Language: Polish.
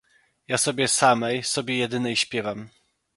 "Ja sobie samej, sobie jedynej śpiewam..."